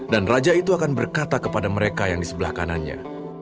dan raja itu akan berkata kepada mereka yang di sebelah kanannya